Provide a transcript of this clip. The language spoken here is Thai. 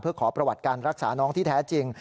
เพื่อขอประวัติการรักษาน้องที่แท้จริง